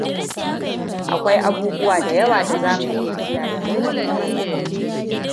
Akwai abubuwa da yawa da za mu iya kiyaye muhallinmu.